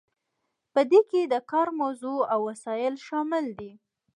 په دې کې د کار موضوع او وسایل شامل دي.